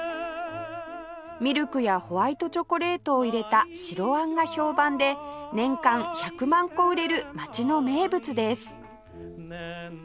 ミルクやホワイトチョコレートを入れた白あんが評判で年間１００万個売れる街の名物です